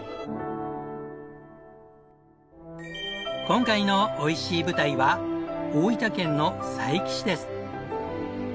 今回のおいしい舞台は大分県の佐伯市です。